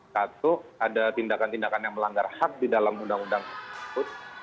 satu ada tindakan tindakan yang melanggar hak di dalam undang undang tersebut